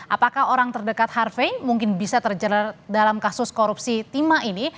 apakah orang terdekat harvey mungkin bisa terjerat dalam kasus korupsi timah ini